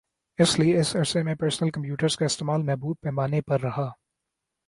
اس لئے اس عرصے میں پرسنل کمپیوٹر کا استعمال محدود پیمانے پر رہا